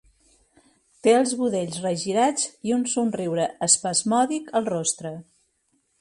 Té els budells regirats i un somriure espasmòdic al rostre.